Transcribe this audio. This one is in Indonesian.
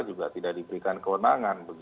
juga tidak diberikan kewenangan